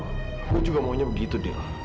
saya juga ingin berdiam dil